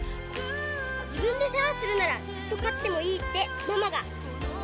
自分で世話するならずっと飼ってもいいってママが。